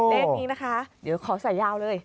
เลขนี้นะคะเดี๋ยวขอใส่ยาวเลย